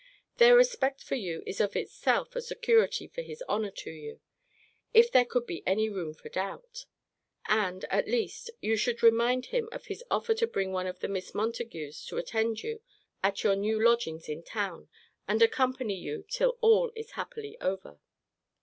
Their respect for you is of itself a security for his honour to you, if there could be any room for doubt. And at least, you should remind him of his offer to bring one of the Miss Montagues to attend you at your new lodgings in town, and accompany you till all is happily over.